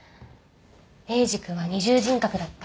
エイジ君は二重人格だった。